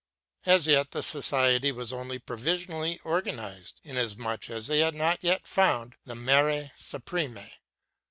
As yet the society was only provisionally organized, inasmuch as they had not yet found the Mère Suprême.